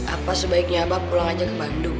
apa sebaiknya bapak pulang aja ke bandung